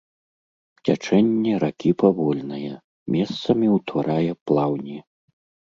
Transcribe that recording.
Цячэнне ракі павольнае, месцамі ўтварае плаўні.